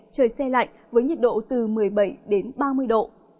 trời xe lạnh với nhiệt độ từ một mươi bảy đến ba mươi độ